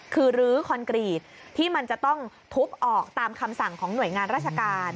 คือลื้อคอนกรีตที่มันจะต้องทุบออกตามคำสั่งของหน่วยงานราชการ